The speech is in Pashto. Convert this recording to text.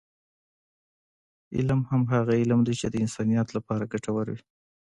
علم هماغه علم دی، چې د انسانیت لپاره ګټور وي.